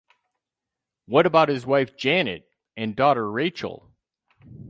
What about his wife Janet and daughter Rachel.